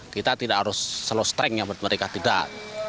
kita tidak harus selo streng ya menurut mereka tidak